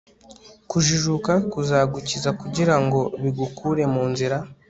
Kujijuka kuzagukizakugira ngo bigukure mu nzira